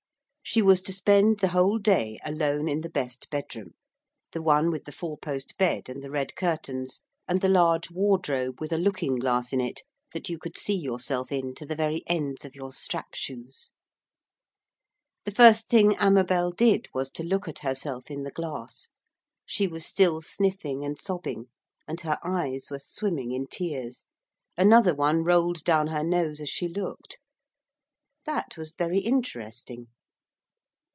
She was to spend the whole day alone in the best bedroom, the one with the four post bed and the red curtains and the large wardrobe with a looking glass in it that you could see yourself in to the very ends of your strap shoes. The first thing Amabel did was to look at herself in the glass. She was still sniffing and sobbing, and her eyes were swimming in tears, another one rolled down her nose as she looked that was very interesting.